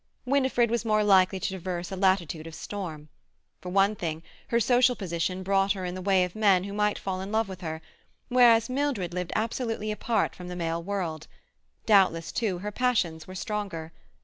Winifred was more likely to traverse a latitude of storm. For one thing, her social position brought her in the way of men who might fall in love with her, whereas Mildred lived absolutely apart from the male world; doubtless, too, her passions were stronger.